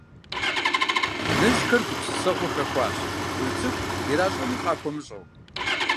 Иныжьхэр гупсысэгъуэ хэхуащ, КъуийцӀыкӀу иращӀэнур къахуэмыщӀэу.